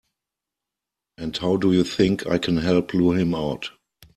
And how do you think I can help lure him out?